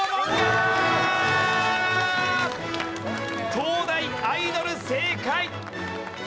東大アイドル正解！